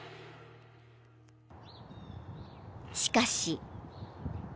［しかし］